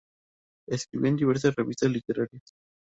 Escribió en diversas revistas literarias.